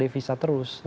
tetapi ini salah satu